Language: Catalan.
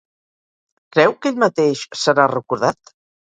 Creu que ell mateix serà recordat?